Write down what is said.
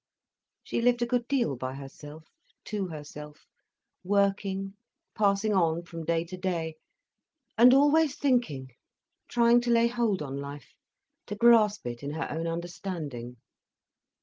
She lived a good deal by herself, to herself, working, passing on from day to day, and always thinking, trying to lay hold on life, to grasp it in her own understanding.